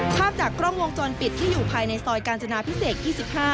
ภาพจากกล้องวงจรปิดที่อยู่ภายในซอยกาญจนาพิเศษ๒๕